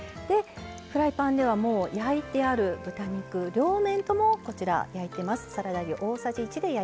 フライパンではもう焼いてある豚肉両面ともこちら焼いてます。